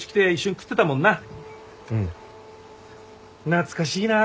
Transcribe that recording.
懐かしいな。